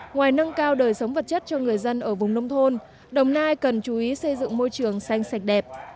ngoài nâng cao đời sống vật chất cho người dân ở vùng nông thôn đồng nai cần chú ý xây dựng môi trường xanh sạch đẹp